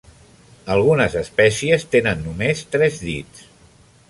Algunes espècies tenen només tres dits.